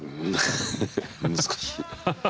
難しい。